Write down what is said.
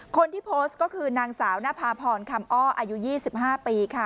คนที่โพสต์ก็คือนางสาวนภาพรคำอ้ออายุ๒๕ปีค่ะ